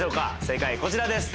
正解こちらです